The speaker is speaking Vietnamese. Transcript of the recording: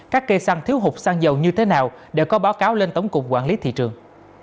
các cây xăng thiếu hụt xăng dầu như thế nào để có báo cáo lên tổng cục quản lý thị trường